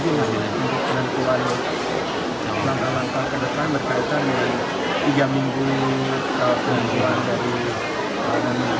dan kewajiban langkah langkah kedatangan berkaitan dengan tiga minggu kemudian dari pembangunan sandiaga uno